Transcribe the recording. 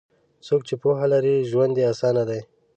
څوک چې پوهه لري، ژوند یې اسانه دی.